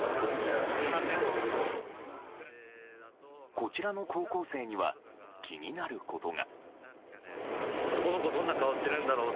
こちらの高校生には気になることが。